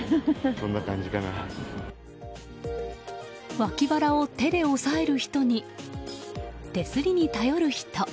わき腹を手で押さえる人に手すりに頼る人。